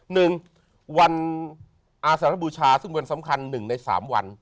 หนึ่งวันอาสารบูชาซึ่งวันสำคัญหนึ่งในสามวัน